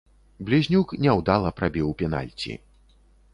Блізнюк няўдала прабіў пенальці.